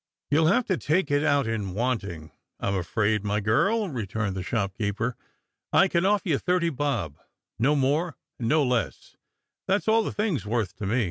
"You ll have to take it out in wanting, I m afraid, my girl," returned the shopkeeper. "I can offer you thirty bob, no more and no less. That s all the thing s worth to me."